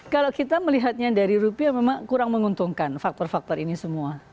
kalau kita melihatnya dari rupiah memang kurang menguntungkan faktor faktor ini semua